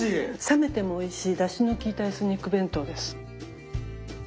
冷めてもおいしいだしのきいたエスニック弁当です。